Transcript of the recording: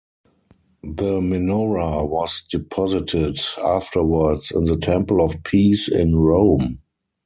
The menorah was deposited afterwards in the Temple of Peace in Rome.